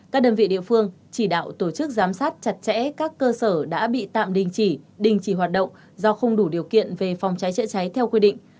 các đơn vị địa phương chỉ đạo tổ chức giám sát chặt chẽ các cơ sở đã bị tạm đình chỉ đình chỉ hoạt động do không đủ điều kiện về phòng cháy chữa cháy theo quy định